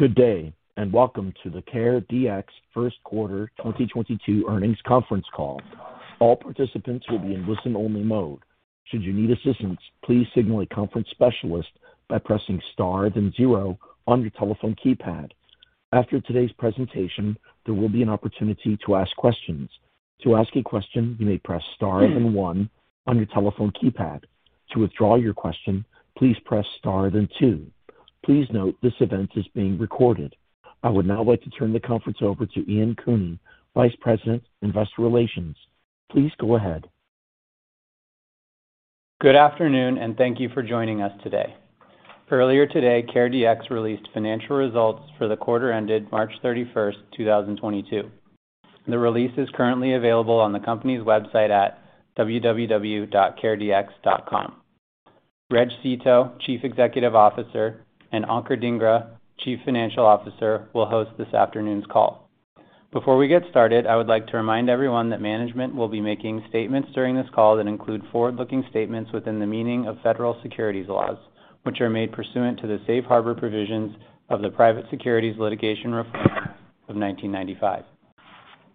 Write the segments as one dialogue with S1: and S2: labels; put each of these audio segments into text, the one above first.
S1: Good day, and welcome to the CareDx first quarter 2022 earnings conference call. All participants will be in listen-only mode. Should you need assistance, please signal a conference specialist by pressing star then zero on your telephone keypad. After today's presentation, there will be an opportunity to ask questions. To ask a question, you may press star then one on your telephone keypad. To withdraw your question, please press star then two. Please note this event is being recorded. I would now like to turn the conference over to Ian Cooney, Vice President, Investor Relations. Please go ahead.
S2: Good afternoon and thank you for joining us today. Earlier today, CareDx released financial results for the quarter ended March 31, 2022. The release is currently available on the company's website at www.careDx.com. Reg Seeto, Chief Executive Officer, and Ankur Dhingra, Chief Financial Officer, will host this afternoon's call. Before we get started, I would like to remind everyone that management will be making statements during this call that include forward-looking statements within the meaning of federal securities laws, which are made pursuant to the safe harbor provisions of the Private Securities Litigation Reform Act of 1995.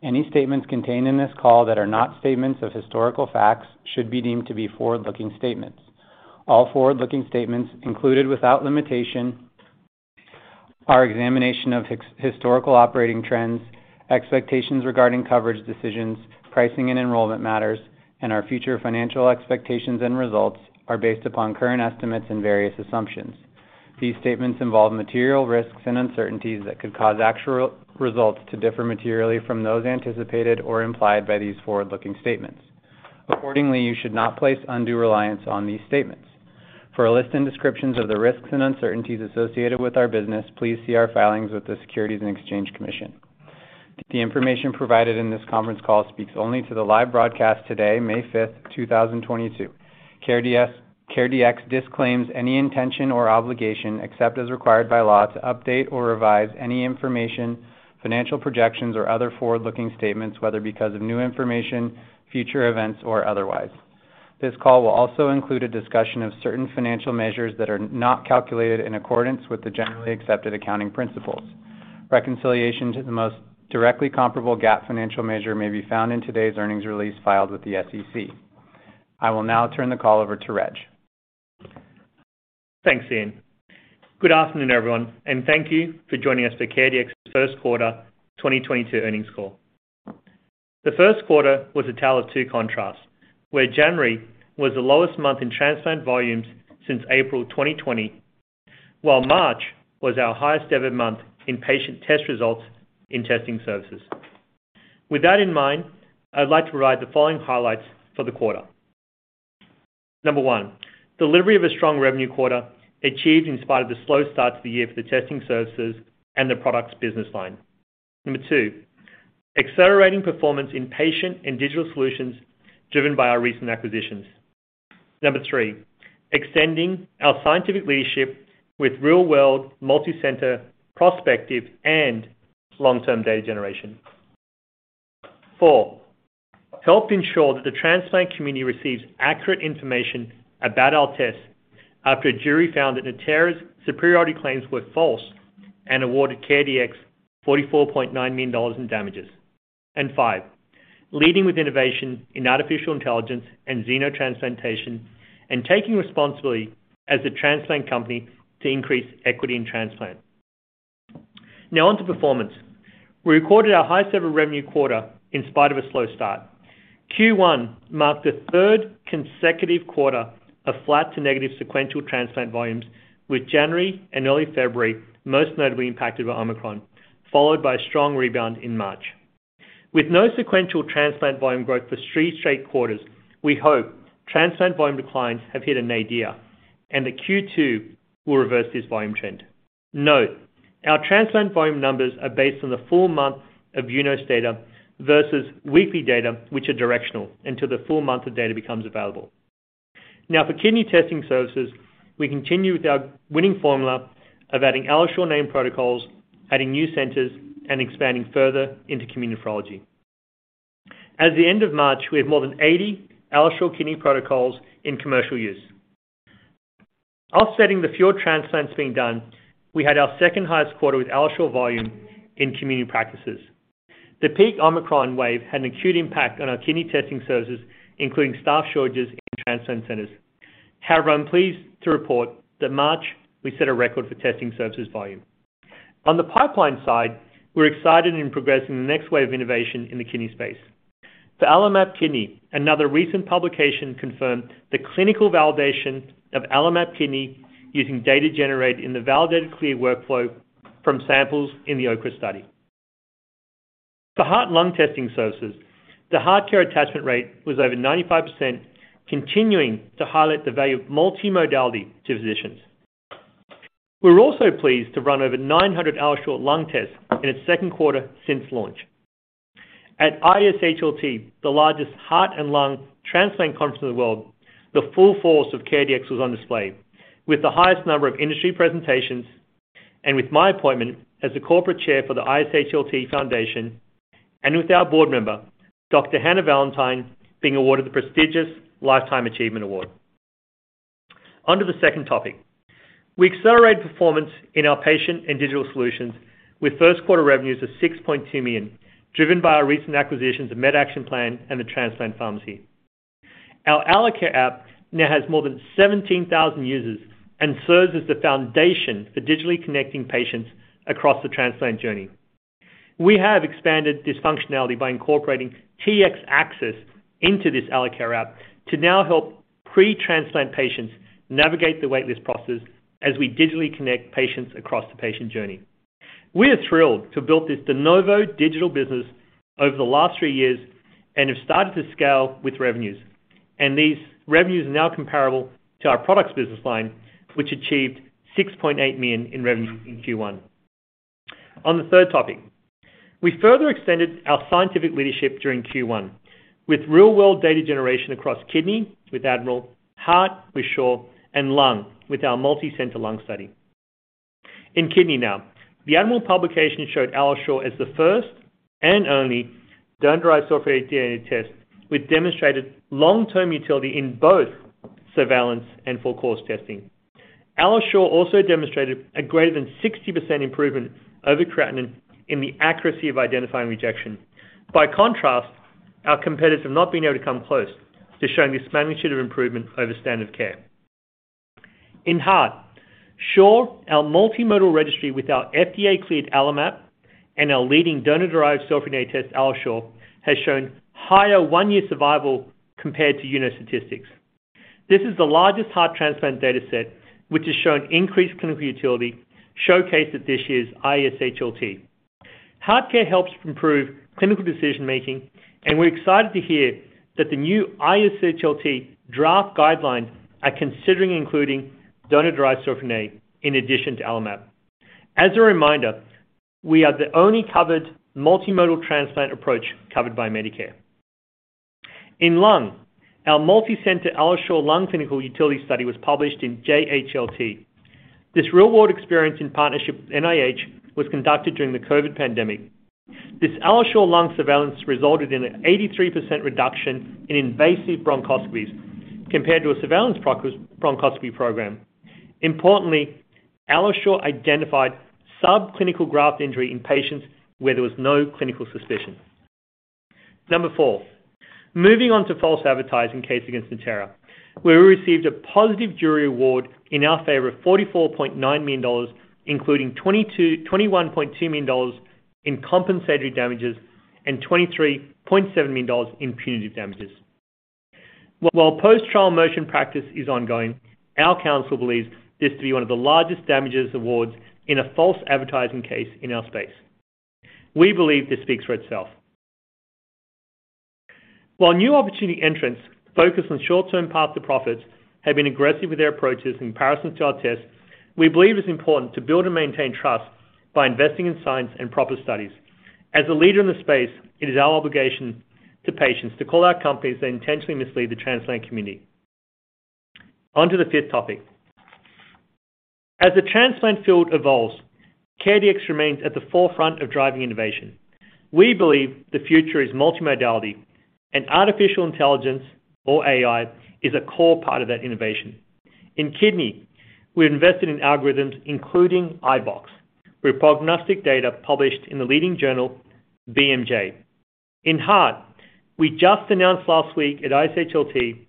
S2: Any statements contained in this call that are not statements of historical facts should be deemed to be forward-looking statements. All forward-looking statements included, without limitation, our examination of historical operating trends, expectations regarding coverage decisions, pricing and enrollment matters, and our future financial expectations and results are based upon current estimates and various assumptions. These statements involve material risks and uncertainties that could cause actual results to differ materially from those anticipated or implied by these forward-looking statements. Accordingly, you should not place undue reliance on these statements. For a list and descriptions of the risks and uncertainties associated with our business, please see our filings with the Securities and Exchange Commission. The information provided in this conference call speaks only to the live broadcast today, May 5th, 2022. CareDx disclaims any intention or obligation, except as required by law, to update or revise any information, financial projections, or other forward-looking statements, whether because of new information, future events, or otherwise. This call will also include a discussion of certain financial measures that are not calculated in accordance with the generally accepted accounting principles. Reconciliation to the most directly comparable GAAP financial measure may be found in today's earnings release filed with the SEC. I will now turn the call over to Reg.
S3: Thanks, Ian. Good afternoon, everyone, and thank you for joining us for CareDx first quarter 2022 earnings call. The first quarter was a tale of two contrasts, where January was the lowest month in transplant volumes since April 2020, while March was our highest ever month in patient test results in testing services. With that in mind, I'd like to provide the following highlights for the quarter. Number one, delivery of a strong revenue quarter achieved in spite of the slow start to the year for the testing services and the products business line. Number two, accelerating performance in patient and digital solutions driven by our recent acquisitions. Number three, extending our scientific leadership with real-world, multicenter, prospective, and long-term data generation. Four, helped ensure that the transplant community receives accurate information about our tests after a jury found that Natera’s superiority claims were false and awarded CareDx $44.9 million in damages. Five, leading with innovation in artificial intelligence and xenotransplantation and taking responsibility as a transplant company to increase equity in transplant. Now on to performance. We recorded our highest ever revenue quarter in spite of a slow start. Q1 marked the third consecutive quarter of flat to negative sequential transplant volumes, with January and early February most notably impacted by Omicron, followed by a strong rebound in March. With no sequential transplant volume growth for three straight quarters, we hope transplant volume declines have hit a nadir and the Q2 will reverse this volume trend. Note, our transplant volume numbers are based on the full month of UNOS data versus weekly data which are directional until the full month of data becomes available. Now for kidney testing services, we continue with our winning formula of adding AlloSure-named protocols, adding new centers, and expanding further into community nephrology. At the end of March, we have more than 80 AlloSure Kidney protocols in commercial use. Offsetting the fewer transplants being done, we had our second-highest quarter with AlloSure volume in community practices. The peak Omicron wave had an acute impact on our kidney testing services, including staff shortages in transplant centers. However, I'm pleased to report that March we set a record for testing services volume. On the pipeline side, we're excited in progressing the next wave of innovation in the kidney space. For AlloMap Kidney, another recent publication confirmed the clinical validation of AlloMap Kidney using data generated in the Validated CLIA Workflow from samples in the OKRA study. For heart and lung testing services, the HeartCare attachment rate was over 95%, continuing to highlight the value of multimodality to physicians. We're also pleased to run over 900 AlloSure Lung tests in its second quarter since launch. At ISHLT, the largest heart and lung transplant conference in the world, the full force of CareDx was on display with the highest number of industry presentations and with my appointment as the corporate chair for the ISHLT Foundation and with our board member, Dr. Hannah Valantine, being awarded the prestigious Lifetime Achievement Award. On to the second topic. We accelerated performance in our patient and digital solutions with first quarter revenues of $6.2 million, driven by our recent acquisitions of MedActionPlan and The Transplant Pharmacy. Our AlloCare app now has more than 17,000 users and serves as the foundation for digitally connecting patients across the transplant journey. We have expanded this functionality by incorporating TxAccess into this AlloCare app to now help pre-transplant patients navigate the wait list process as we digitally connect patients across the patient journey. We are thrilled to build this de novo digital business over the last three years and have started to scale with revenues. These revenues are now comparable to our products business line, which achieved $6.8 million in revenue in Q1. On the third topic, we further extended our scientific leadership during Q1 with real-world data generation across kidney with ADMIRAL, heart with SHORE, and lung with our multi-center lung study. In kidney now, the ADMIRAL publication showed AlloSure as the first and only donor-derived cell-free DNA test with demonstrated long-term utility in both surveillance and full course testing. AlloSure also demonstrated a greater than 60% improvement over creatinine in the accuracy of identifying rejection. By contrast, our competitors have not been able to come close to showing this magnitude of improvement over standard care. In heart, SHORE, our multimodal registry with our FDA-cleared AlloMap and our leading donor-derived cell-free DNA test, AlloSure, has shown higher one-year survival compared to UNOS statistics. This is the largest heart transplant data set, which has shown increased clinical utility showcased at this year's ISHLT. HeartCare helps improve clinical decision-making, and we're excited to hear that the new ISHLT draft guidelines are considering including donor-derived cell-free DNA in addition to AlloMap. As a reminder, we are the only covered multimodal transplant approach covered by Medicare. In lung, our multi-center AlloSure Lung clinical utility study was published in JHLT. This real-world experience in partnership with NIH was conducted during the COVID pandemic. This AlloSure Lung surveillance resulted in an 83% reduction in invasive bronchoscopies compared to a surveillance bronchoscopy program. Importantly, AlloSure identified subclinical graft injury in patients where there was no clinical suspicion. Number four, moving on to false advertising case against Natera. We received a positive jury award in our favor of $44.9 million, including $21.2 million in compensatory damages and $23.7 million in punitive damages. While post-trial motion practice is ongoing, our counsel believes this to be one of the largest damages awards in a false advertising case in our space. We believe this speaks for itself. While new opportunity entrants focused on short-term path to profits have been aggressive with their approaches in comparison to our tests, we believe it's important to build and maintain trust by investing in science and proper studies. As a leader in the space, it is our obligation to patients to call out companies that intentionally mislead the transplant community. On to the fifth topic. As the transplant field evolves, CareDx remains at the forefront of driving innovation. We believe the future is multimodality and artificial intelligence or AI is a core part of that innovation. In kidney, we invested in algorithms including iBox, with prognostic data published in the leading journal BMJ. In heart, we just announced last week at ISHLT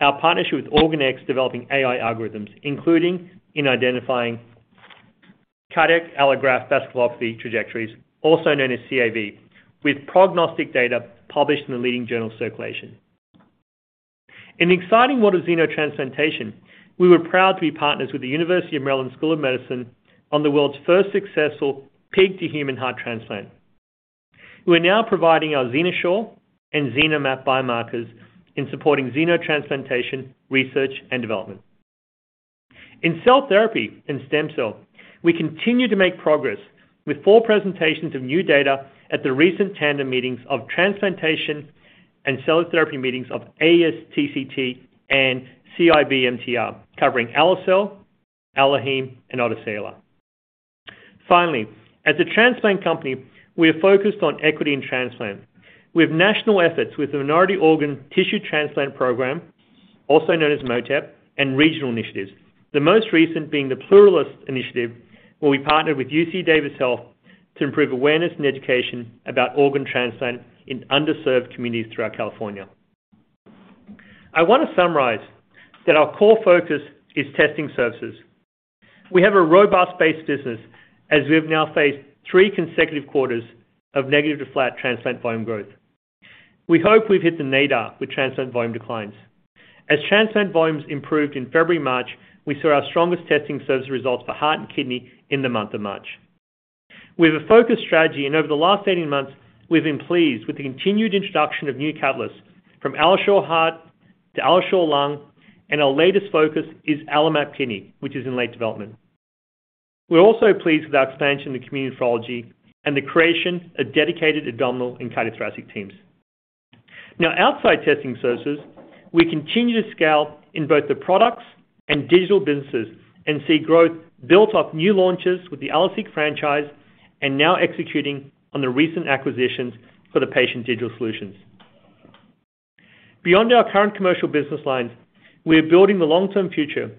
S3: our partnership with OrganX developing AI algorithms, including in identifying cardiac allograft vasculopathy trajectories, also known as CAV, with prognostic data published in the leading journal Circulation. In the exciting world of xenotransplantation, we were proud to be partners with the University of Maryland School of Medicine on the world's first successful pig to human heart transplant. We're now providing our XenoSure and XenoMap biomarkers in supporting xenotransplantation research and development. In cell therapy and stem cell, we continue to make progress with four presentations of new data at the recent Tandem Meetings of Transplantation and Cellular Therapy Meetings of ASTCT and CIBMTR covering AlloCell, AlloHeme, and AlloSeq. Finally, as a transplant company, we are focused on equity and transplant. We have national efforts with the Minority Organ Tissue Transplant Program, also known as MOTP, and regional initiatives. The most recent being the Pluralist Initiative, where we partnered with UC Davis Health to improve awareness and education about organ transplant in underserved communities throughout California. I want to summarize that our core focus is testing services. We have a robust base business as we have now faced three consecutive quarters of negative to flat transplant volume growth. We hope we've hit the nadir with transplant volume declines. As transplant volumes improved in February, March, we saw our strongest testing service results for heart and kidney in the month of March. We have a focused strategy and over the last 18 months, we've been pleased with the continued introduction of new catalysts from AlloSure Heart to AlloSure Lung, and our latest focus is AlloMap Kidney, which is in late development. We're also pleased with our expansion to community nephrology and the creation of dedicated abdominal and cardiothoracic teams. Now, outside testing services, we continue to scale in both the products and digital businesses and see growth built off new launches with the AlloSeq franchise and now executing on the recent acquisitions for the patient digital solutions. Beyond our current commercial business lines, we are building the long-term future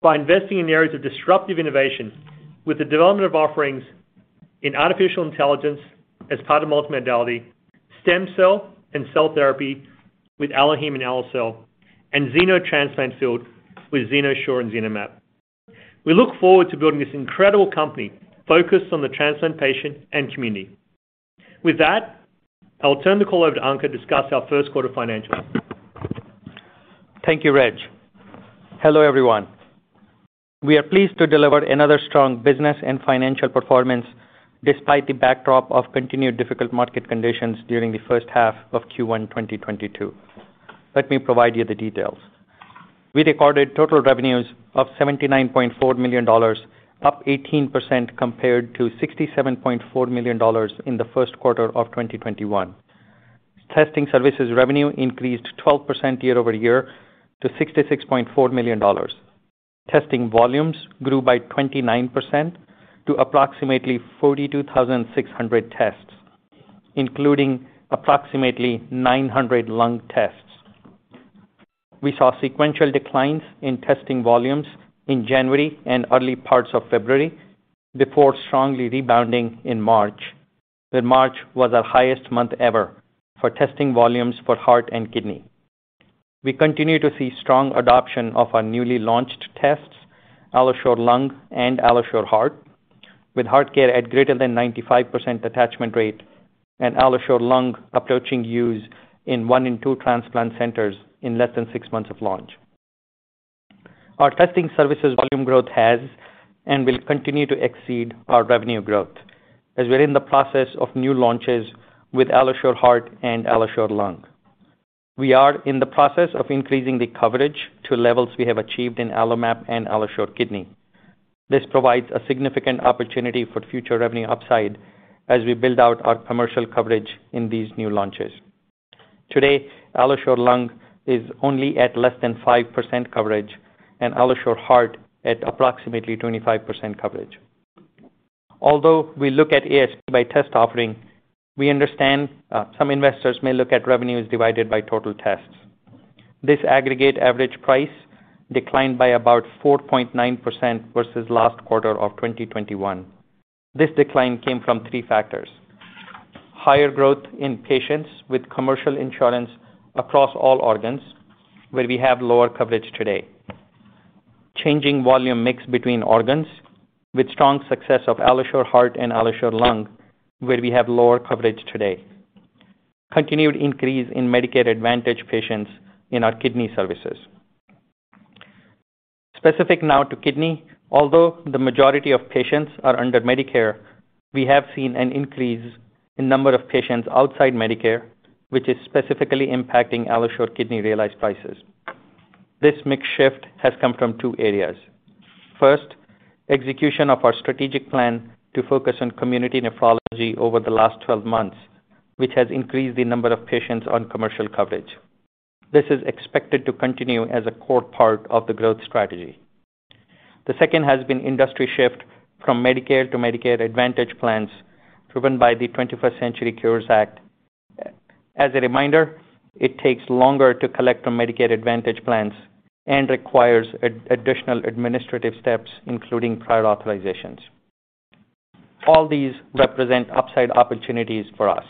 S3: by investing in areas of disruptive innovation with the development of offerings in artificial intelligence as part of multimodality, stem cell and cell therapy with AlloHeme and AlloCell, and xenotransplant field with XenoSure and XenoMap. We look forward to building this incredible company focused on the transplant patient and community. With that, I'll turn the call over to Ankur to discuss our first quarter financials.
S4: Thank you, Reg. Hello, everyone. We are pleased to deliver another strong business and financial performance despite the backdrop of continued difficult market conditions during the first half of Q1 2022. Let me provide you the details. We recorded total revenues of $79.4 million, up 18% compared to $67.4 million in the first quarter of 2021. Testing services revenue increased 12% year-over-year to $66.4 million. Testing volumes grew by 29% to approximately 42,600 tests, including approximately 900 lung tests. We saw sequential declines in testing volumes in January and early parts of February before strongly rebounding in March, where March was our highest month ever for testing volumes for heart and kidney. We continue to see strong adoption of our newly launched tests, AlloSure Lung and AlloSure Heart, with HeartCare at greater than 95% attachment rate and AlloSure Lung approaching use in one in two transplant centers in less than six months of launch. Our testing services volume growth has and will continue to exceed our revenue growth as we're in the process of new launches with AlloSure Heart and AlloSure Lung. We are in the process of increasing the coverage to levels we have achieved in AlloMap and AlloSure Kidney. This provides a significant opportunity for future revenue upside as we build out our commercial coverage in these new launches. Today, AlloSure Lung is only at less than 5% coverage and AlloSure Heart at approximately 25% coverage. Although we look at ASP by test offering, we understand some investors may look at revenues divided by total tests. This aggregate average price declined by about 4.9% versus last quarter of 2021. This decline came from three factors. Higher growth in patients with commercial insurance across all organs where we have lower coverage today, changing volume mix between organs with strong success of AlloSure Heart and AlloSure Lung, where we have lower coverage today. Continued increase in Medicare Advantage patients in our kidney services. Specific now to kidney, although the majority of patients are under Medicare, we have seen an increase in number of patients outside Medicare, which is specifically impacting AlloSure Kidney realized prices. This mix shift has come from two areas. First, execution of our strategic plan to focus on community nephrology over the last 12 months, which has increased the number of patients on commercial coverage. This is expected to continue as a core part of the growth strategy. The second has been industry shift from Medicare to Medicare Advantage Plans driven by the 21st Century Cures Act. As a reminder, it takes longer to collect from Medicare Advantage Plans and requires additional administrative steps, including prior authorizations. All these represent upside opportunities for us.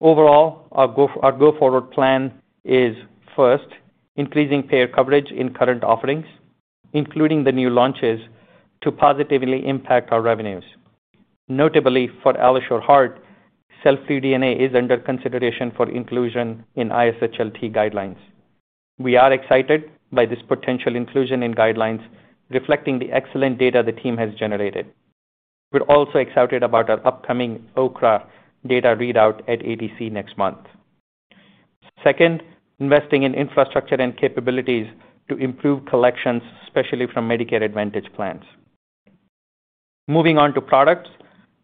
S4: Overall, our go forward plan is, first, increasing payer coverage in current offerings, including the new launches to positively impact our revenues. Notably for AlloSure Heart, cell-free DNA is under consideration for inclusion in ISHLT guidelines. We are excited by this potential inclusion in guidelines reflecting the excellent data the team has generated. We're also excited about our upcoming OKRA data readout at ATC next month. Second, investing in infrastructure and capabilities to improve collections, especially from Medicare Advantage plans. Moving on to products.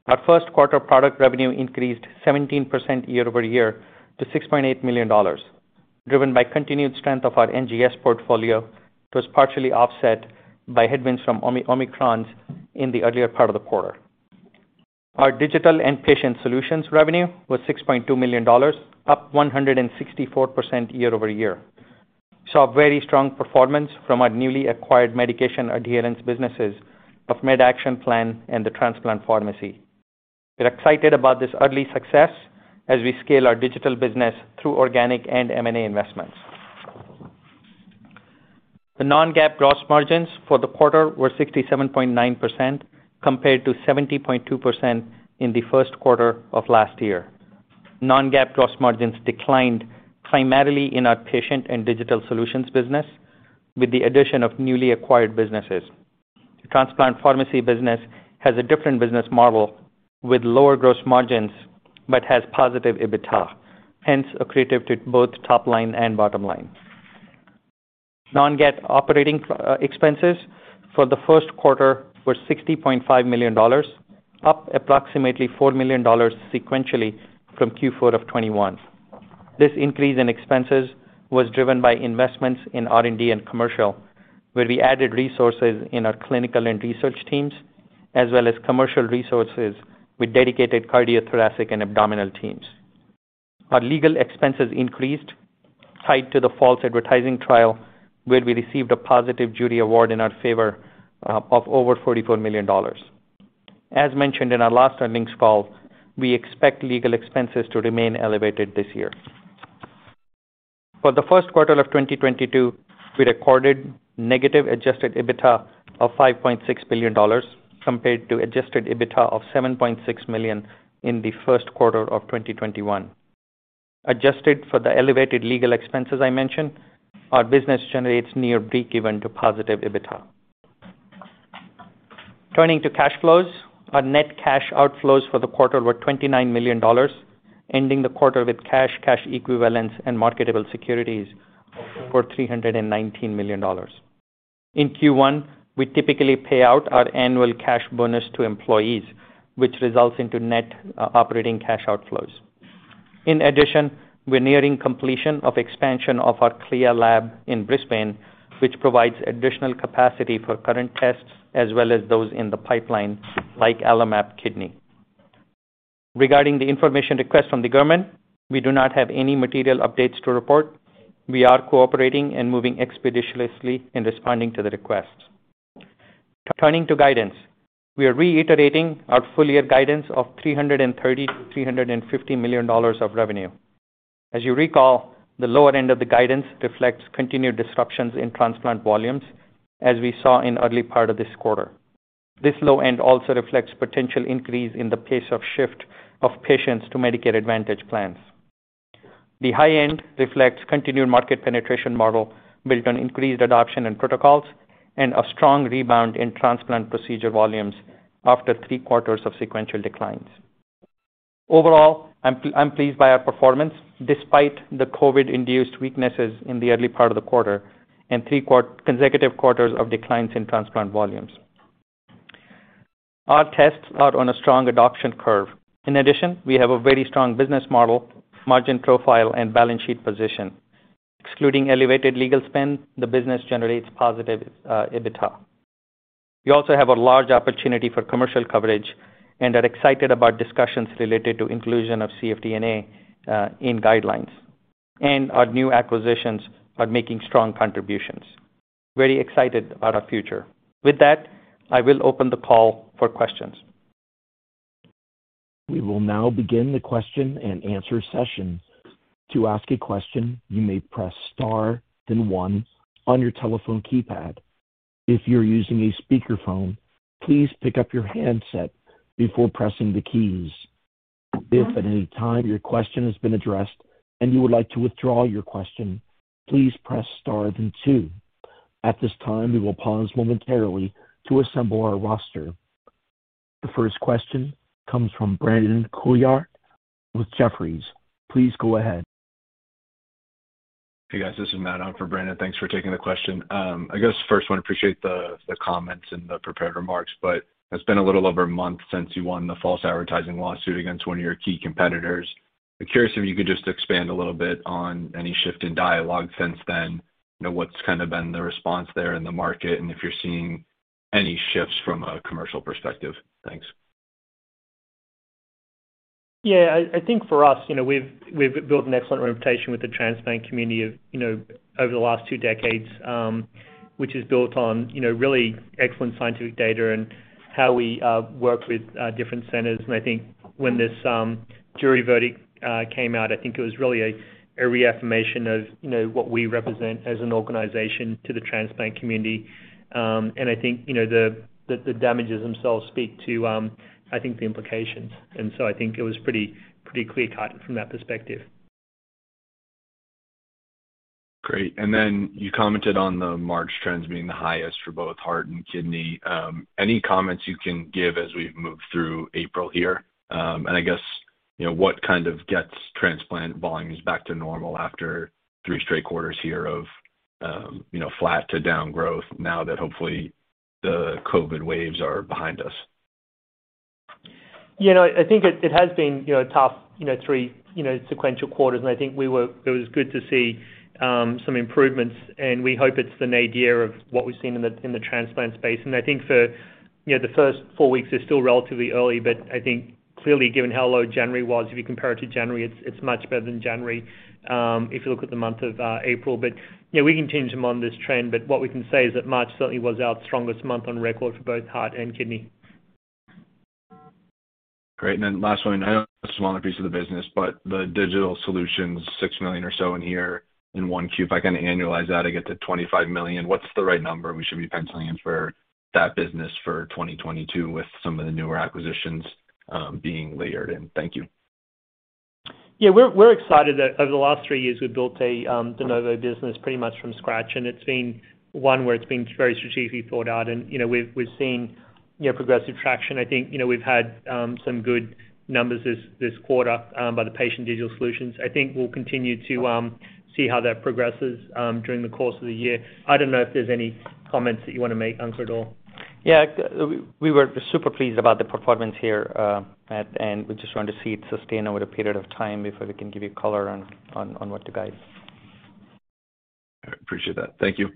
S4: Our first quarter product revenue increased 17% year-over-year to $6.8 million, driven by continued strength of our NGS portfolio that was partially offset by headwinds from Omicron in the earlier part of the quarter. Our digital and patient solutions revenue was $6.2 million, up 164% year-over-year. Saw very strong performance from our newly acquired medication adherence businesses of MedActionPlan and The Transplant Pharmacy. We're excited about this early success as we scale our digital business through organic and M&A investments. The non-GAAP gross margins for the quarter were 67.9% compared to 70.2% in the first quarter of last year. Non-GAAP gross margins declined primarily in our patient and digital solutions business with the addition of newly acquired businesses. The transplant pharmacy business has a different business model with lower gross margins, but has positive EBITDA, hence accretive to both top line and bottom line. Non-GAAP operating expenses for the first quarter were $60.5 million, up approximately $4 million sequentially from Q4 of 2021. This increase in expenses was driven by investments in R&D and commercial, where we added resources in our clinical and research teams, as well as commercial resources with dedicated cardiothoracic and abdominal teams. Our legal expenses increased, tied to the false advertising trial where we received a positive jury award in our favor of over $44 million. As mentioned in our last earnings call, we expect legal expenses to remain elevated this year. For the first quarter of 2022, we recorded negative adjusted EBITDA of $5.6 billion compared to adjusted EBITDA of $7.6 million in the first quarter of 2021. Adjusted for the elevated legal expenses I mentioned, our business generates near breakeven to positive EBITDA. Turning to cash flows. Our net cash outflows for the quarter were $29 million, ending the quarter with cash equivalents and marketable securities of $319 million. In Q1, we typically pay out our annual cash bonus to employees, which results in net operating cash outflows. In addition, we're nearing completion of expansion of our CLIA lab in Brisbane, which provides additional capacity for current tests as well as those in the pipeline like AlloMap Kidney. Regarding the information request from the government, we do not have any material updates to report. We are cooperating and moving expeditiously in responding to the requests. Turning to guidance. We are reiterating our full year guidance of $330 million-$350 million of revenue. As you recall, the lower end of the guidance reflects continued disruptions in transplant volumes as we saw in early part of this quarter. This low end also reflects potential increase in the pace of shift of patients to Medicare Advantage plans. The high end reflects continued market penetration model built on increased adoption and protocols and a strong rebound in transplant procedure volumes after three quarters of sequential declines. Overall, I'm pleased by our performance despite the COVID-induced weaknesses in the early part of the quarter and consecutive quarters of declines in transplant volumes. Our tests are on a strong adoption curve. In addition, we have a very strong business model, margin profile and balance sheet position. Excluding elevated legal spend, the business generates positive EBITDA. We also have a large opportunity for commercial coverage and are excited about discussions related to inclusion of cfDNA in guidelines, and our new acquisitions are making strong contributions. Very excited about our future. With that, I will open the call for questions.
S1: We will now begin the question and answer session. To ask a question, you may press star then one on your telephone keypad. If you're using a speakerphone, please pick up your handset before pressing the keys. If at any time your question has been addressed and you would like to withdraw your question, please press star then two. At this time, we will pause momentarily to assemble our roster. The first question comes from Brandon Couillard with Jefferies. Please go ahead.
S5: Hey, guys, this is Matt on for Brandon. Thanks for taking the question. I guess first want to appreciate the comments and the prepared remarks, but it's been a little over a month since you won the false advertising lawsuit against one of your key competitors. I'm curious if you could just expand a little bit on any shift in dialogue since then. You know, what's kind of been the response there in the market and if you're seeing any shifts from a commercial perspective? Thanks.
S4: Yeah, I think for us, you know, we've built an excellent reputation with the transplant community of, you know, over the last two decades, which is built on, you know, really excellent scientific data and how we work with different centers. I think when this jury verdict came out, I think it was really a reaffirmation of, you know, what we represent as an organization to the transplant community. I think, you know, the damages themselves speak to, I think the implications. I think it was pretty clear-cut from that perspective.
S5: Great. You commented on the March trends being the highest for both heart and kidney. Any comments you can give as we move through April here? I guess, you know, what kind of gets transplant volumes back to normal after three straight quarters here of, you know, flat to down growth now that hopefully the COVID waves are behind us.
S4: You know, I think it has been a tough three sequential quarters. I think it was good to see some improvements, and we hope it's the nadir of what we've seen in the transplant space. I think for the first four weeks is still relatively early. I think clearly, given how low January was, if you compare it to January, it's much better than January if you look at the month of April. You know, we continue to monitor this trend, but what we can say is that March certainly was our strongest month on record for both heart and kidney.
S5: Great. Last one. I know it's a smaller piece of the business, but the digital solutions, $6 million or so in here in 1Q. If I kind of annualize that, I get to $25 million. What's the right number we should be penciling in for that business for 2022 with some of the newer acquisitions being layered in? Thank you.
S4: Yeah, we're excited that over the last three years we've built a de novo business pretty much from scratch, and it's been one where it's been very strategically thought out. You know, we've seen, you know, progressive traction. I think, you know, we've had some good numbers this quarter by the patient digital solutions. I think we'll continue to see how that progresses during the course of the year. I don't know if there's any comments that you want to make, answer at all.
S3: Yeah, we were super pleased about the performance here, and we just want to see it sustain over a period of time before we can give you color on what to guide.
S5: All right. Appreciate that. Thank you.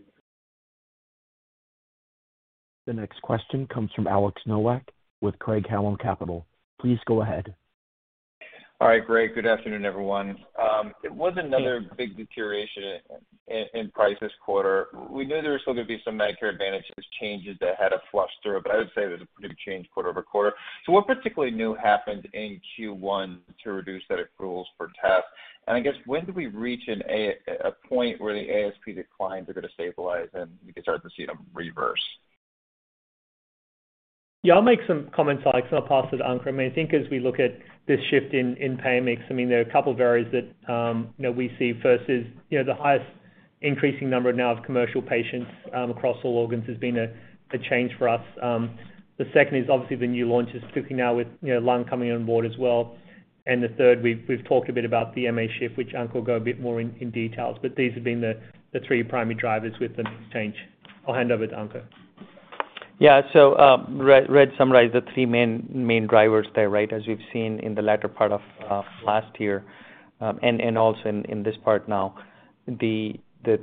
S1: The next question comes from Alex Nowak with Craig-Hallum Capital. Please go ahead.
S6: All right, great. Good afternoon, everyone. It was another big deterioration in price this quarter. We knew there was still gonna be some Medicare Advantage changes that had a flow through, but I would say there's a pretty big change quarter-over-quarter. What particularly new happened in Q1 to reduce the approvals for tests? And I guess when do we reach a point where the ASP declines are gonna stabilize and we can start to see them reverse?
S3: Yeah, I'll make some comments, Alex, and I'll pass it to Ankur. I mean, I think as we look at this shift in payer mix, I mean, there are a couple of areas that, you know, we see. First is, you know, the highest increasing number now of commercial patients across all organs has been a change for us. The second is obviously the new launches, particularly now with, you know, lung coming on board as well. And the third, we've talked a bit about the MA shift, which Ankur will go a bit more in details, but these have been the three primary drivers with the change. I'll hand over to Ankur.
S4: Yeah. Reg summarized the three main drivers there, right? As we've seen in the latter part of last year, and also in this part now. The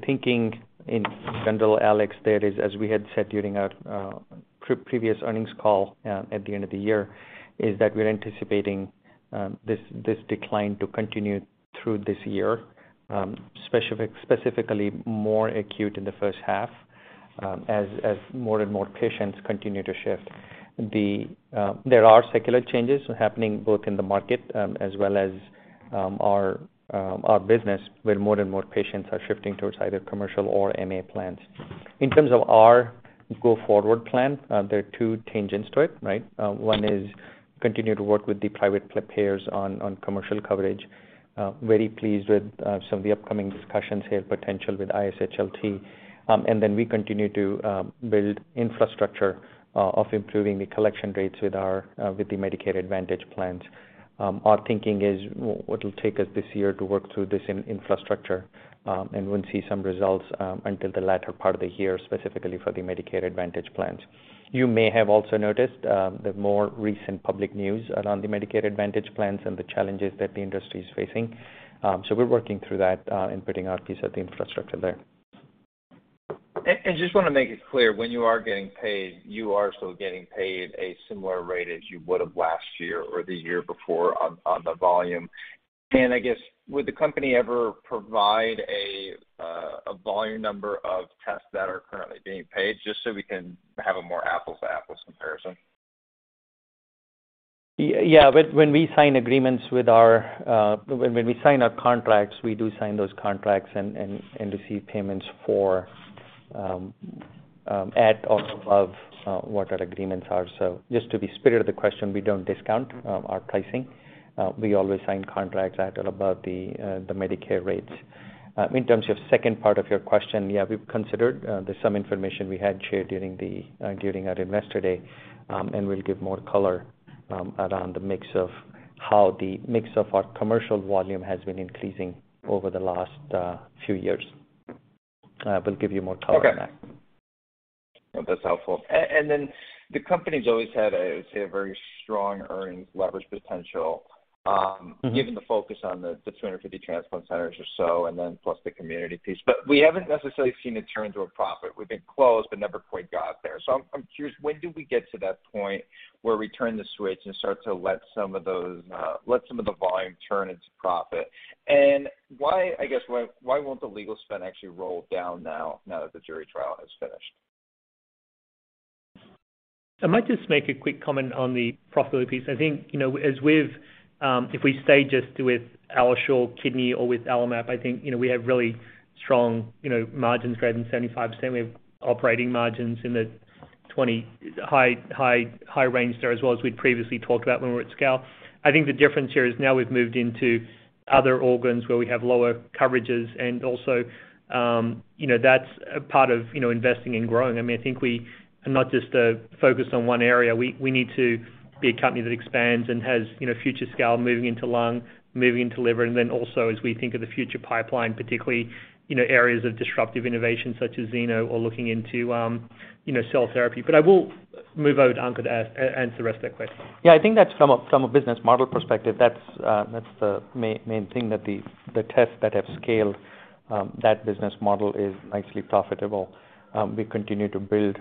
S4: thinking in general, Alex, there is, as we had said during our previous earnings call at the end of the year, is that we're anticipating this decline to continue through this year, specifically more acute in the first half, as more and more patients continue to shift. There are secular changes happening both in the market, as well as our business, where more and more patients are shifting towards either commercial or MA plans. In terms of our go forward plan, there are two tangents to it, right? One is continue to work with the private payers on commercial coverage. Very pleased with some of the upcoming discussions here, potential with ISHLT. And then we continue to build infrastructure of improving the collection rates with the Medicare Advantage plans. Our thinking is what will take us this year to work through this in infrastructure, and we'll see some results until the latter part of the year, specifically for the Medicare Advantage plans. You may have also noticed the more recent public news around the Medicare Advantage plans and the challenges that the industry is facing. We're working through that and putting our piece of the infrastructure there.
S6: Just wanna make it clear, when you are getting paid, you are still getting paid a similar rate as you would have last year or the year before on the volume. I guess, would the company ever provide a volume number of tests that are currently being paid just so we can have a more apples-to-apples comparison?
S4: Yeah. When we sign our contracts, we do sign those contracts and receive payments for at or above what our agreements are. Just to the spirit of the question, we don't discount our pricing. We always sign contracts at or above the Medicare rates. In terms of second part of your question, yeah, we've considered, there's some information we had shared during our Investor Day, and we'll give more color around the mix of how our commercial volume has been increasing over the last few years. We'll give you more color on that.
S6: Okay. No, that's helpful. The company's always had a, I would say, a very strong earnings leverage potential.
S4: Mm-hmm.
S6: Given the focus on the 250 transplant centers or so, and then plus the community piece. We haven't necessarily seen it turn to a profit. We've been close, but never quite got there. I'm curious, when do we get to that point where we turn the switch and start to let some of the volume turn into profit? Why, I guess, why won't the legal spend actually roll down now that the jury trial has finished?
S3: I might just make a quick comment on the profitability piece. I think, you know, as we've, if we stay just with AlloSure Kidney or with AlloMap, I think, you know, we have really strong, you know, margins greater than 75%. We have operating margins in the 20% high range there as well as we'd previously talked about when we're at scale. I think the difference here is now we've moved into other organs where we have lower coverages and also, you know, that's a part of, you know, investing and growing. I mean, I think we are not just focused on one area. We need to be a company that expands and has, you know, future scale moving into lung, moving into liver, and then also as we think of the future pipeline, particularly, you know, areas of disruptive innovation such as Xeno or looking into, you know, cell therapy. I will move over to Ankur to answer the rest of that question.
S4: Yeah. I think that's from a business model perspective, that's the main thing that the tests that have scaled, that business model is nicely profitable. We continue to build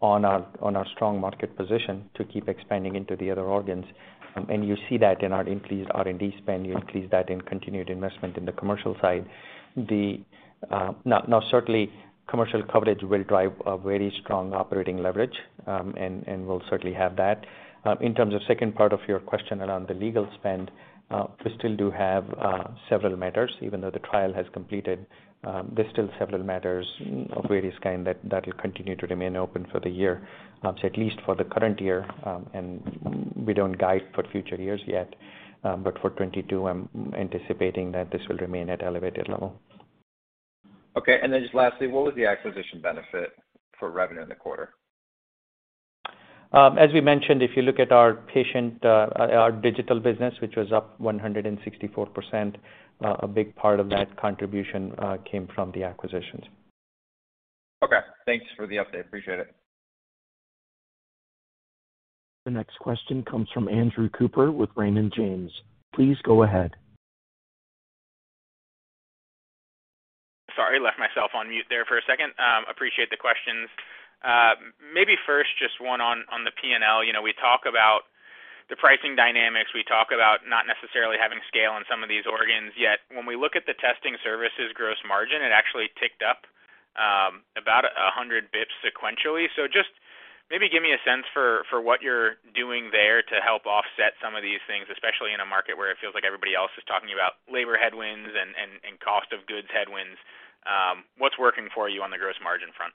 S4: on our strong market position to keep expanding into the other organs. You see that in our increased R&D spend. You increased that in continued investment in the commercial side. Certainly commercial coverage will drive a very strong operating leverage, and we'll certainly have that. In terms of second part of your question around the legal spend, we still do have several matters. Even though the trial has completed, there's still several matters of various kind that will continue to remain open for the year. At least for the current year, and we don't guide for future years yet. For 2022, I'm anticipating that this will remain at elevated level.
S6: Okay. Just lastly, what was the acquisition benefit for revenue in the quarter?
S4: As we mentioned, if you look at our digital business, which was up 164%, a big part of that contribution came from the acquisitions.
S6: Okay. Thanks for the update. Appreciate it.
S1: The next question comes from Andrew Cooper with Raymond James. Please go ahead.
S7: Sorry, I left myself on mute there for a second. Appreciate the questions. Maybe first just one on the P&L. You know, we talk about the pricing dynamics. We talk about not necessarily having scale in some of these organs yet. When we look at the testing services gross margin, it actually ticked up about 100 basis points sequentially. Just maybe give me a sense for what you're doing there to help offset some of these things, especially in a market where it feels like everybody else is talking about labor headwinds and cost of goods headwinds. What's working for you on the gross margin front?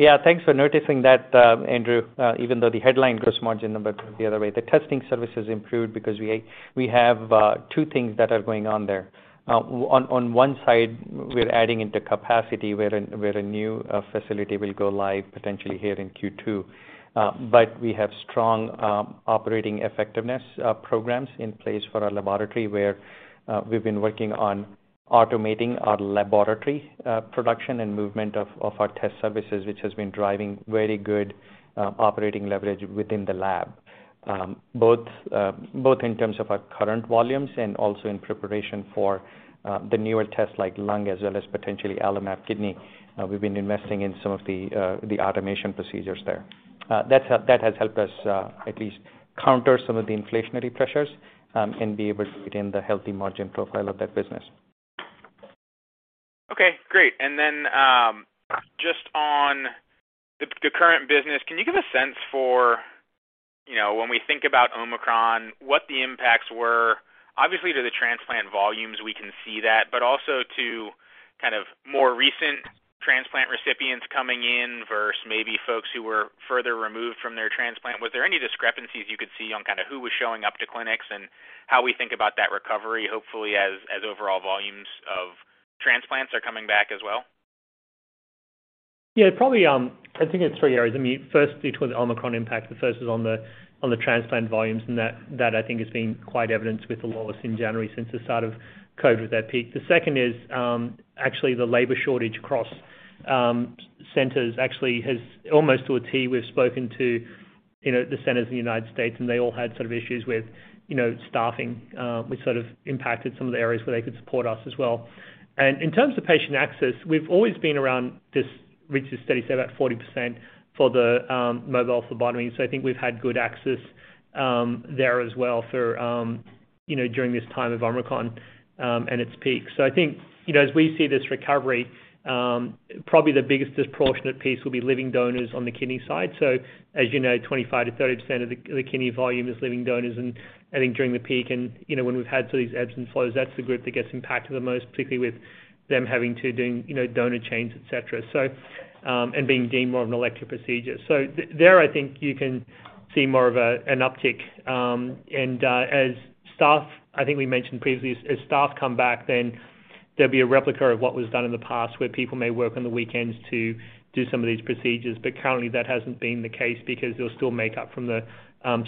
S4: Yeah, thanks for noticing that, Andrew. Even though the headline gross margin number went the other way, the testing services improved because we have two things that are going on there. On one side, we're adding into capacity where a new facility will go live potentially here in Q2. We have strong operating effectiveness programs in place for our laboratory, where we've been working on automating our laboratory production and movement of our test services, which has been driving very good operating leverage within the lab. Both in terms of our current volumes and also in preparation for the newer tests like lung as well as potentially AlloMap Kidney. We've been investing in some of the automation procedures there. That has helped us at least counter some of the inflationary pressures and be able to retain the healthy margin profile of that business.
S7: Okay, great. Just on the current business, can you give a sense for, you know, when we think about Omicron, what the impacts were obviously to the transplant volumes, we can see that, but also to kind of more recent transplant recipients coming in versus maybe folks who were further removed from their transplant. Was there any discrepancies you could see on kind of who was showing up to clinics and how we think about that recovery, hopefully as overall volumes of transplants are coming back as well?
S3: Yeah, probably, I think in three areas. I mean, first between the Omicron impact, the first is on the transplant volumes, and that I think has been quite evidenced with the lowest in January since the start of COVID at that peak. The second is actually the labor shortage across centers actually has almost to a T. We've spoken to, you know, the centers in the United States, and they all had sort of issues with, you know, staffing, which sort of impacted some of the areas where they could support us as well. In terms of patient access, we've always been around this reach of steady state, about 40% for the mobile phlebotomy. I think we've had good access there as well for, you know, during this time of Omicron and its peak. I think, you know, as we see this recovery, probably the biggest disproportionate piece will be living donors on the kidney side. As you know, 25%-30% of the kidney volume is living donors. I think during the peak and, you know, when we've had sort of these ebbs and flows, that's the group that gets impacted the most, particularly with them having to do, you know, donor chains, et cetera, and being deemed more of an elective procedure. There, I think you can see more of an uptick. As staff, I think we mentioned previously, as staff come back, then there'll be a replica of what was done in the past, where people may work on the weekends to do some of these procedures. Currently, that hasn't been the case because they'll still make up for the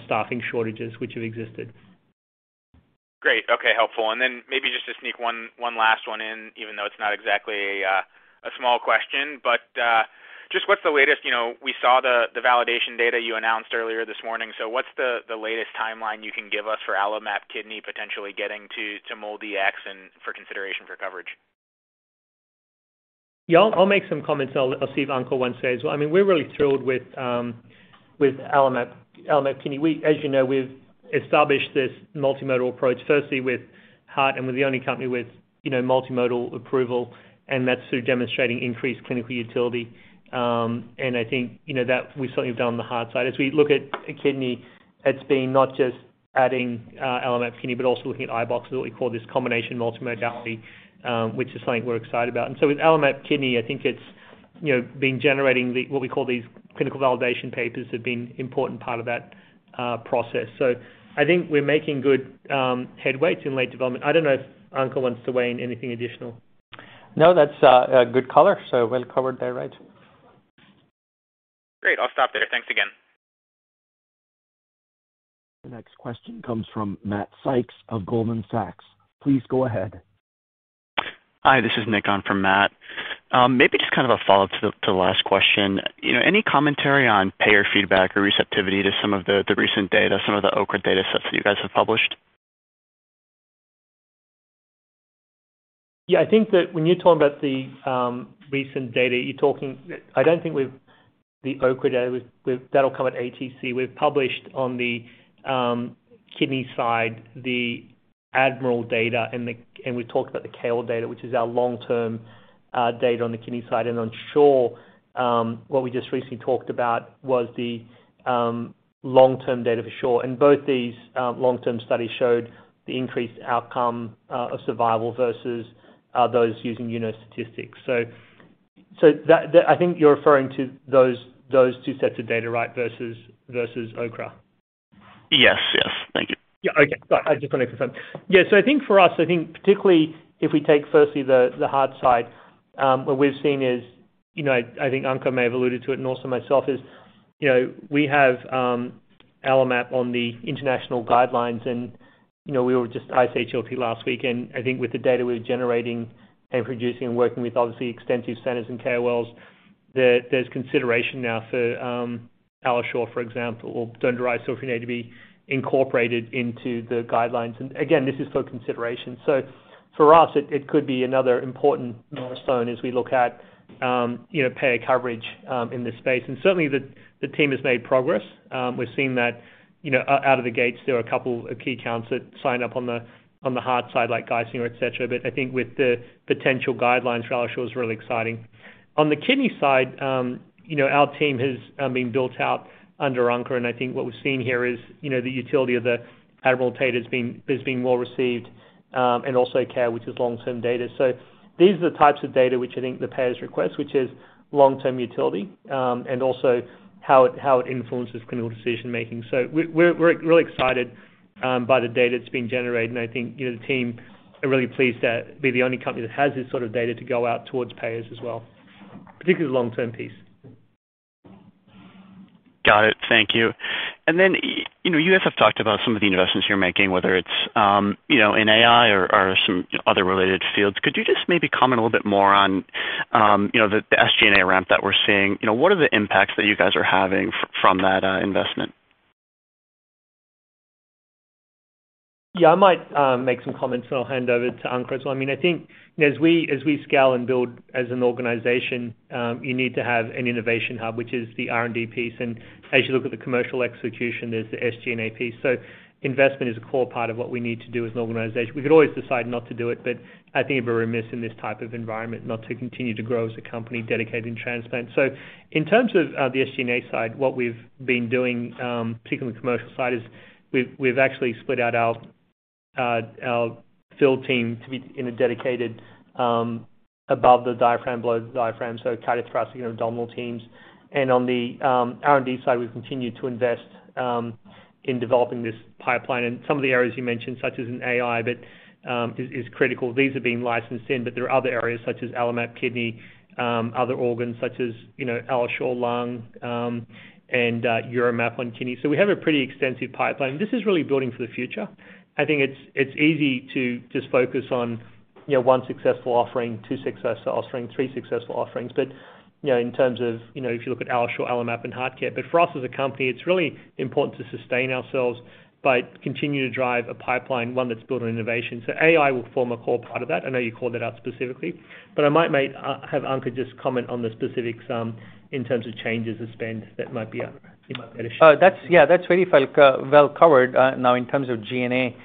S3: staffing shortages which have existed.
S7: Great. Okay, helpful. Then maybe just to sneak one last one in, even though it's not exactly a small question, but just what's the latest? You know, we saw the validation data you announced earlier this morning. So what's the latest timeline you can give us for AlloMap Kidney potentially getting to MolDX and for consideration for coverage?
S3: Yeah, I'll make some comments and I'll see if Ankur wants to say as well. I mean, we're really thrilled with AlloMap Kidney. As you know, we've established this multimodal approach, firstly with heart and with the only company with multimodal approval, and that's through demonstrating increased clinical utility. I think that we certainly have done on the heart side. As we look at kidney, it's been not just adding AlloMap Kidney, but also looking at iBox, what we call this combination multimodality, which is something we're excited about. With AlloMap Kidney, I think it's been generating the, what we call these clinical validation papers have been important part of that process. I think we're making good headway to late development. I don't know if Ankur wants to weigh in anything additional.
S4: No, that's a good color, so well covered there, right.
S7: Great. I'll stop there. Thanks again.
S1: The next question comes from Matt Sykes of Goldman Sachs. Please go ahead.
S8: Hi, this is Nick on from Matt. Maybe just kind of a follow-up to the last question. You know, any commentary on payer feedback or receptivity to some of the recent data, some of the OKRA data sets that you guys have published?
S3: Yeah, I think that when you're talking about the recent data, I don't think we've the OKRA data. That'll come at ATC. We've published on the kidney side, the ADMIRAL data and we've talked about the KOAR data, which is our long-term data on the kidney side. On SHORE, what we just recently talked about was the long-term data for SHORE. Both these long-term studies showed the increased outcome of survival versus those using you know statistics. That I think you're referring to those two sets of data, right? Versus OKRA.
S8: Yes. Yes. Thank you.
S3: Yeah. Okay. I just want to confirm. Yeah. I think for us, I think particularly if we take firstly the heart side, what we've seen is, you know, I think Ankur may have alluded to it and also myself is, you know, we have AlloMap on the international guidelines and, you know, we were just ISHLT last week. I think with the data we're generating and producing and working with obviously extensive centers and KOLs there's consideration now for AlloSure, for example, or dd-cfDNA if we need to be incorporated into the guidelines. This is for consideration. For us, it could be another important milestone as we look at, you know, payer coverage in this space. Certainly the team has made progress. We've seen that, you know, out of the gates, there are a couple of key accounts that sign up on the heart side, like Geisinger, et cetera. I think with the potential guidelines for AlloSure is really exciting. On the kidney side, you know, our team has been built out under Ankur, and I think what we've seen here is, you know, the utility of the ADMIRAL data is being well-received, and also CARE, which is long-term data. These are the types of data which I think the payers request, which is long-term utility, and also how it influences clinical decision-making. We're excited by the data that's been generated, and I think, you know, the team are really pleased to be the only company that has this sort of data to go out towards payers as well, particularly the long-term piece.
S8: Got it. Thank you. You know, you guys have talked about some of the investments you're making, whether it's, you know, in AI or some other related fields. Could you just maybe comment a little bit more on, you know, the SG&A ramp that we're seeing? You know, what are the impacts that you guys are having from that investment?
S3: Yeah. I might make some comments, and I'll hand over to Ankur as well. I mean, I think as we scale and build as an organization, you need to have an innovation hub, which is the R&D piece. As you look at the commercial execution, there's the SG&A piece. Investment is a core part of what we need to do as an organization. We could always decide not to do it, but I think it'd be remiss in this type of environment not to continue to grow as a company dedicated in transplant. In terms of the SG&A side, what we've been doing, particularly commercial side is we've actually split out our field team to be in a dedicated above the diaphragm, below the diaphragm, so cardiothoracic and abdominal teams. On the R&D side, we've continued to invest in developing this pipeline in some of the areas you mentioned, such as in AI, that is critical. These are being licensed in, but there are other areas such as AlloMap Kidney, other organs such as, you know, AlloSure Lung, and UroMap on kidney. We have a pretty extensive pipeline. This is really building for the future. I think it's easy to just focus on, you know, one successful offering, two successful offerings, three successful offerings. In terms of, you know, if you look at AlloSure, AlloMap and HeartCare. For us as a company, it's really important to sustain ourselves by continuing to drive a pipeline, one that's built on innovation. AI will form a core part of that. I know you called it out specifically, but have Ankur just comment on the specifics in terms of changes to spend that you might be able to share.
S4: Oh, that's yeah, that's very well covered. Now, in terms of G&A,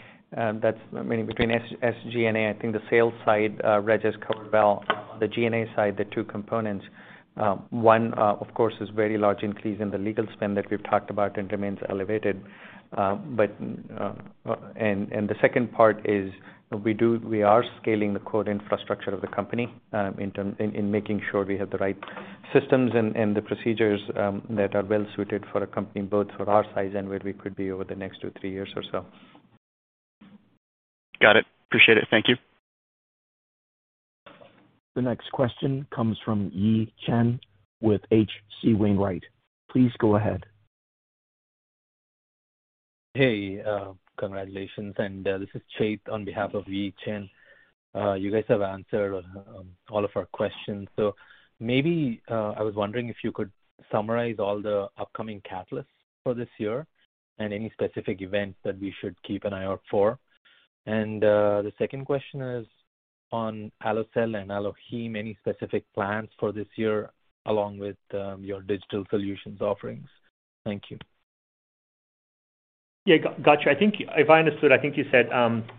S4: that's meaning between SG&A, I think the sales side, Reg has covered well. On the G&A side, the two components, one, of course, is very large increase in the legal spend that we've talked about and remains elevated. The second part is we are scaling the core infrastructure of the company, in making sure we have the right systems and the procedures, that are well suited for a company, both for our size and where we could be over the next two, three years or so.
S8: Got it. Appreciate it. Thank you.
S1: The next question comes from Yi Chen with H.C. Wainwright. Please go ahead.
S9: Hey, congratulations. This is Chase on behalf of Yi Chen. You guys have answered all of our questions. Maybe I was wondering if you could summarize all the upcoming catalysts for this year and any specific events that we should keep an eye out for. The second question is on AlloCell and AlloHeme, any specific plans for this year, along with your digital solutions offerings. Thank you.
S3: Yeah. Got you. I think if I understood, I think you said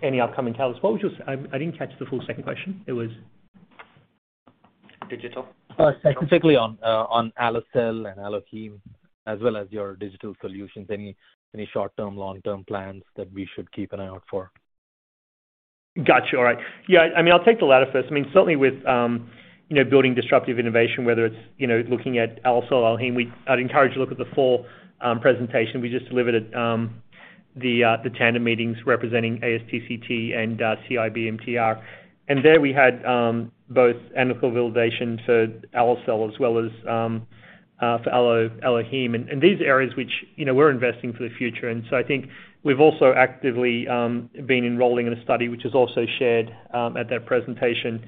S3: any upcoming catalyst. I didn't catch the full second question.
S9: Digital. Specifically on AlloCell and AlloHeme, as well as your digital solutions. Any short-term, long-term plans that we should keep an eye out for?
S3: Got you. All right. Yeah. I mean, I'll take the latter first. I mean, certainly with, you know, building disruptive innovation, whether it's, you know, looking at AlloCell or AlloHeme, I'd encourage you to look at the full presentation we just delivered at the tandem meetings representing ASTCT and CIBMTR. There we had both analytical validation to AlloCell as well as for AlloHeme. These are areas which, you know, we're investing for the future. I think we've also actively been enrolling in a study which is also shared at that presentation,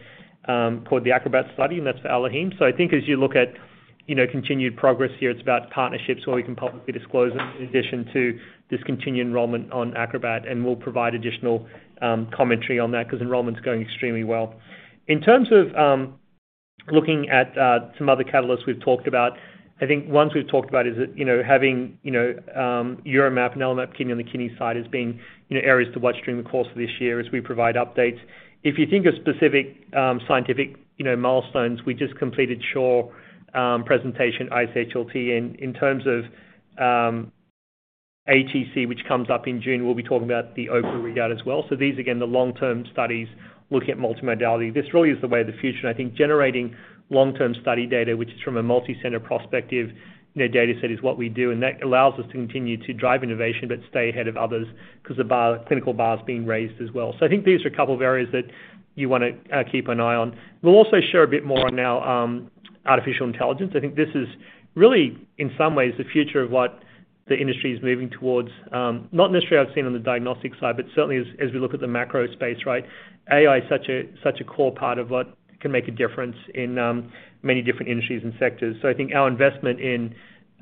S3: called the ACROBAT study, and that's for AlloHeme. I think as you look at, you know, continued progress here, it's about partnerships where we can publicly disclose them in addition to this continued enrollment on ACROBAT, and we'll provide additional, commentary on that because enrollment's going extremely well. In terms of, looking at, some other catalysts we've talked about, I think ones we've talked about is, you know, having, you know, UroMap and AlloMap Kidney on the kidney side has been, you know, areas to watch during the course of this year as we provide updates. If you think of specific, scientific, you know, milestones, we just completed SHORE, presentation ISHLT. In terms of, ATC, which comes up in June, we'll be talking about the overall readout as well. These, again, the long-term studies looking at multimodality. This really is the way of the future. I think generating long-term study data, which is from a multi-center prospective data set, is what we do, and that allows us to continue to drive innovation but stay ahead of others because the bar, clinical bar is being raised as well. I think these are a couple of areas that you wanna keep an eye on. We'll also share a bit more on our artificial intelligence. I think this is really, in some ways, the future of what the industry is moving towards. Not necessarily I've seen on the diagnostic side, but certainly as we look at the macro space, right? AI is such a core part of what can make a difference in many different industries and sectors. I think our investment in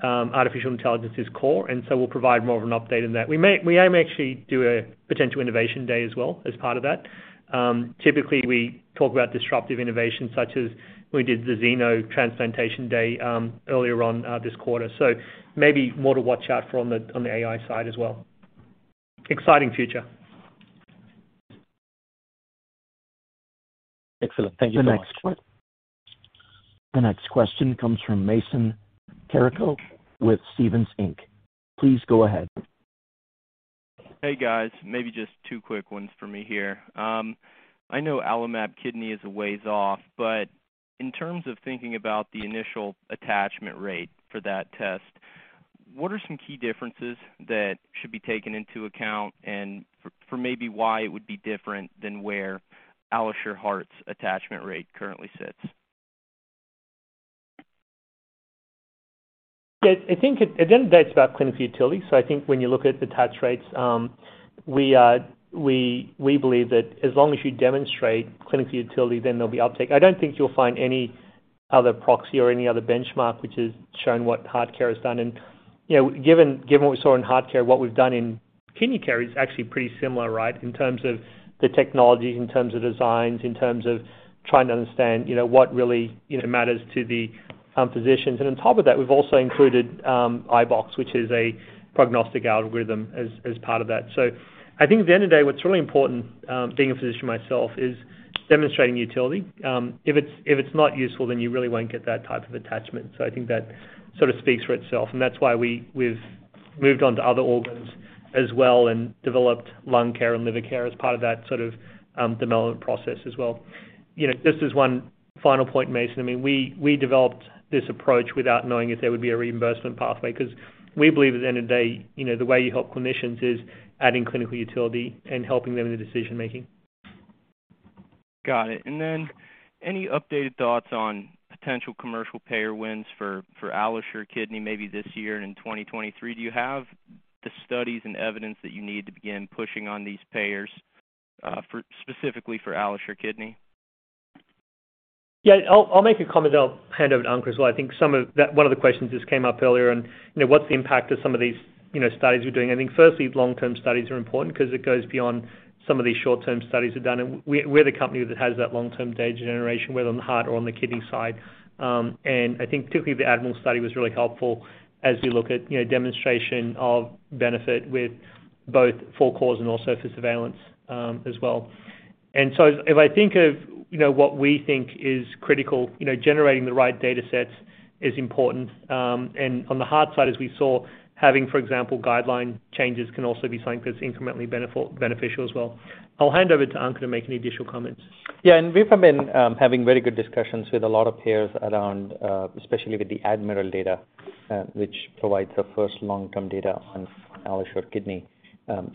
S3: artificial intelligence is core, and so we'll provide more of an update on that. We aim actually do a potential innovation day as well as part of that. Typically, we talk about disruptive innovation, such as we did the Xenotransplantation Day, earlier on, this quarter. Maybe more to watch out for on the AI side as well. Exciting future.
S9: Excellent. Thank you so much.
S1: The next question comes from Mason Carrico with Stephens Inc. Please go ahead.
S10: Hey, guys. Maybe just two quick ones for me here. I know AlloMap Kidney is a ways off, but in terms of thinking about the initial attachment rate for that test, what are some key differences that should be taken into account, and for maybe why it would be different than where AlloSure Heart's attachment rate currently sits?
S3: Yeah. I think at the end of the day, it's about clinical utility. I think when you look at attach rates, we believe that as long as you demonstrate clinical utility, then there'll be uptake. I don't think you'll find any other proxy or any other benchmark which has shown what HeartCare has done. You know, given what we saw in HeartCare, what we've done in KidneyCare is actually pretty similar, right? In terms of the technologies, in terms of designs, in terms of trying to understand, you know, what really, you know, matters to the physicians. On top of that, we've also included iBox, which is a prognostic algorithm, as part of that. I think at the end of the day, what's really important, being a physician myself, is demonstrating utility. If it's not useful, then you really won't get that type of attachment. I think that sort of speaks for itself, and that's why we've moved on to other organs as well and developed LungCare and LiverCare as part of that sort of development process as well. You know, just as one final point, Mason, I mean, we developed this approach without knowing if there would be a reimbursement pathway because we believe at the end of the day, you know, the way you help clinicians is adding clinical utility and helping them in the decision-making.
S10: Got it. Then any updated thoughts on potential commercial payer wins for AlloSure Kidney maybe this year and in 2023? Do you have the studies and evidence that you need to begin pushing on these payers for specifically for AlloSure Kidney?
S3: Yeah. I'll make a comment, then I'll hand over to Ankur as well. I think some of that, one of the questions just came up earlier and, you know, what's the impact of some of these, you know, studies we're doing? I think firstly, long-term studies are important 'cause it goes beyond some of these short-term studies we've done. We're the company that has that long-term data generation, whether on the heart or on the kidney side. I think particularly the ADMIRAL study was really helpful as we look at, you know, demonstration of benefit with both for cause and also for surveillance, as well. If I think of, you know, what we think is critical, you know, generating the right data sets is important. On the heart side, as we saw, having, for example, guideline changes can also be something that's incrementally beneficial as well. I'll hand over to Ankur to make any additional comments.
S4: Yeah. We've been having very good discussions with a lot of payers around, especially with the ADMIRAL data, which provides the first long-term data on AlloSure Kidney.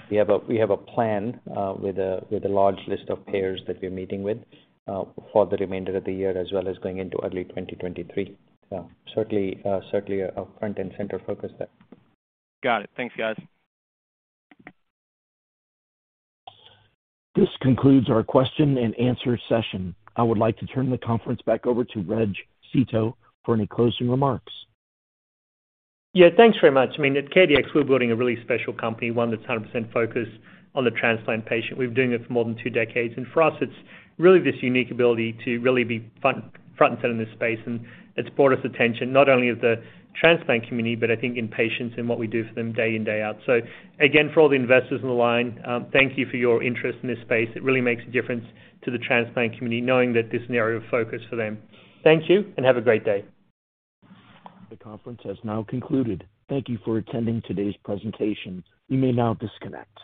S4: We have a plan with a large list of payers that we're meeting with for the remainder of the year as well as going into early 2023. Certainly a front and center focus there.
S10: Got it. Thanks, guys.
S1: This concludes our question and answer session. I would like to turn the conference back over to Reg Seeto for any closing remarks.
S3: Yeah. Thanks very much. I mean, at CareDx, we're building a really special company, one that's 100% focused on the transplant patient. We've been doing it for more than two decades. For us, it's really this unique ability to really be front and center in this space, and it's brought us attention not only of the transplant community, but I think in patients and what we do for them day in, day out. Again, for all the investors on the line, thank you for your interest in this space. It really makes a difference to the transplant community knowing that this is an area of focus for them. Thank you, and have a great day.
S1: The conference has now concluded. Thank you for attending today's presentation. You may now disconnect.